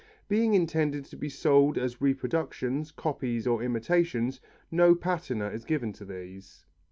Being intended to be sold as reproductions, copies or imitations, no patina is given to these.